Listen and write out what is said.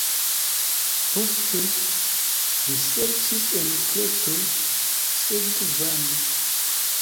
Poste, li serĉis en Kreto, sed vane.